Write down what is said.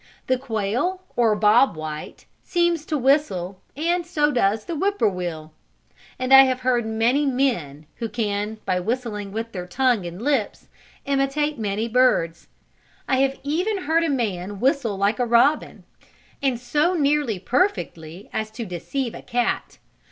The quail, or Bob White, seems to whistle, and so does the Whip poor will. And I have heard many men who can, by whistling with their tongue and lips, imitate many birds. I have even heard a man whistle like a robin, and so nearly perfectly as to deceive a cat.